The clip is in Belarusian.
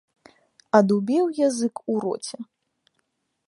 Адубеў язык у роце.